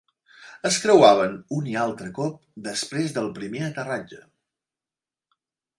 Es creuaven un i altre cop després del primer aterratge.